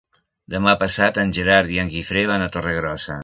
Demà passat en Gerard i en Guifré van a Torregrossa.